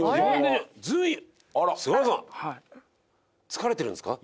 疲れてるんですか？